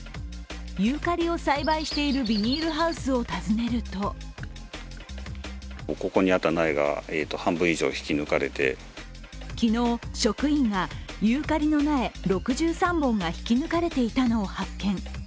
ユーカリを栽培しているビニールハウスを訪ねると昨日、職員がユーカリの苗６３本が引き抜かれていたのを発見。